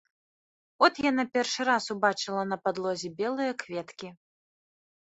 От яна першы раз убачыла на падлозе белыя кветкі.